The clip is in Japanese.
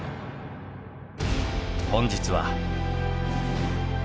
本日は。